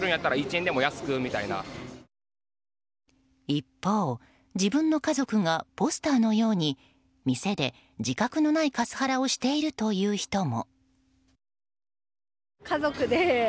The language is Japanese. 一方、自分の家族がポスターのように店で自覚のないカスハラをしているという人も。